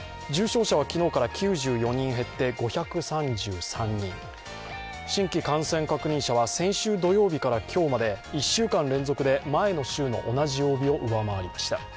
重症者は昨日から９４人減って５３３人新規感染確認者は先週土曜日から今日まで１週間連続で前の週の同じ曜日を上回りました。